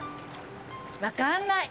分かんない。